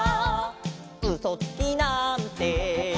「うそつきなんて」